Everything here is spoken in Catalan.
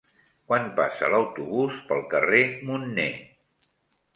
Quan passa l'autobús pel carrer Munner?